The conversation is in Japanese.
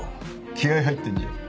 気合入ってんじゃん。